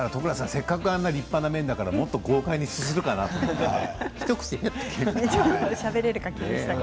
せっかくあんな立派な麺だからもっと豪華に、すするかなと思ったら一口だったね。